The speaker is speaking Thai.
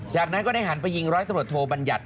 จากนั้นก็ได้หันไปยิงร้อยตำรวจโทบัญญัติ